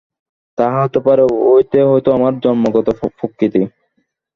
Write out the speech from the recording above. তা হতে পারে– ঐটে হয়তো আমার জন্মগত প্রকৃতি।